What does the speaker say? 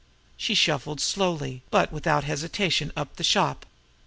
She scuffled slowly, but without hesitation, up the shop.